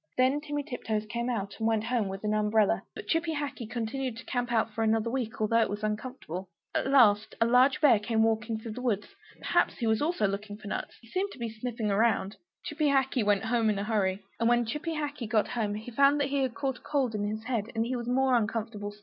Then Timmy Tiptoes came out, and went home with an umbrella. But Chippy Hackee continued to camp out for another week, although it was uncomfortable. At last a large bear came walking through the wood. Perhaps he also was looking for nuts; he seemed to be sniffing around. Chippy Hackee went home in a hurry! And when Chippy Hackee got home, he found he had caught a cold in his head; and he was more uncomfortable still.